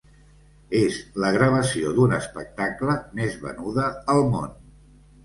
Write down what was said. És la gravació d'un espectacle més venuda al món.